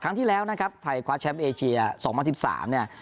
ครั้งที่แล้วนะครับไทยคว้าแชมป์เอเชียสองพันสิบสามเนี้ย